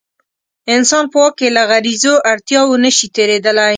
انسان په واک کې له غریزو اړتیاوو نه شي تېرېدلی.